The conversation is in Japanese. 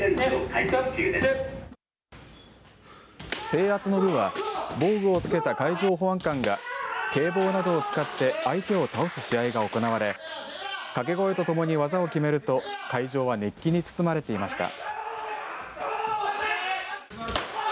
制圧の部は防具を着けた海上保安官が警棒などを使って相手を倒す試合が行われ掛け声とともに技を決めると会場は熱気に包まれていました。